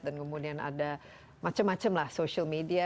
dan kemudian ada macam macam lah social media